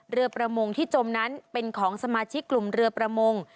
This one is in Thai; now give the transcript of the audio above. เรือประมงที่จมนั้นเป็นของสมาชิกกลุ่มเรือประมง